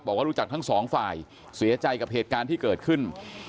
บอกว่ารู้จักทั้งสองฝ่ายเสียใจกับเหตุการณ์ที่เกิดขึ้น